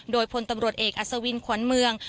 โดยพลตำรวจเอกอัศวินขวัญเมือง